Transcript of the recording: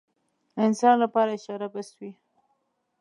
انسان لپاره اشاره بس وي.